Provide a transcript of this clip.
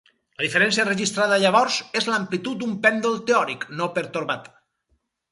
La diferència registrada llavors és l'amplitud d'un pèndol teòric, no pertorbat.